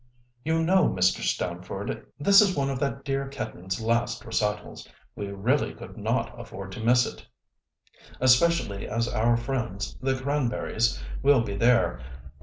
"You know, Mr. Stamford, this is one of that dear Ketten's last recitals. We really could not afford to miss it—especially as our friends, the Cranberrys, will be there.